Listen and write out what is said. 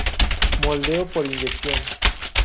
Moldeo por inyección